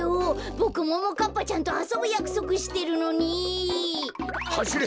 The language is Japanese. ボクももかっぱちゃんとあそぶやくそくしてるのに。はしれ！